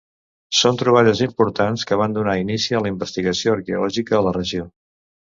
Són troballes importants, que van donar inici a la investigació arqueològica a la regió.